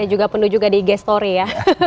dan juga penuh juga di g story ya